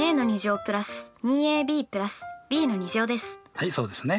はいそうですね。